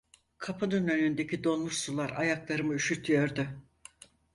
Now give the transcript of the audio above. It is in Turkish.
Kapının önündeki donmuş sular ayaklarımı üşütüyordu.